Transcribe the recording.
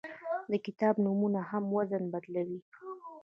د کتاب نومونه هم وزن بدلوي.